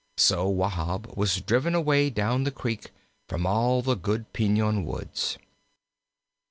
So Wahb was driven away down the creek from all the good piñon woods.